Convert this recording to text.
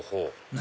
何？